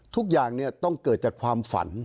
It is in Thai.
ทุกอย่างต้องเกิดจากความฝัน